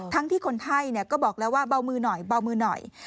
ทั้งที่คนไทยก็บอกแล้วว่าเบามือหน่อย